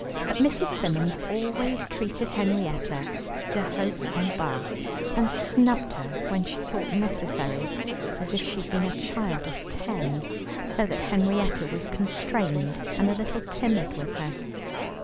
But Mrs. Symons always treated Henrietta de haut en bas, and snubbed her when she thought necessary, as if she had been a child of ten, so that Henrietta was constrained and a little timid with her.